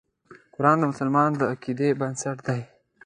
قرآن د مسلمان د عقیدې بنسټ دی.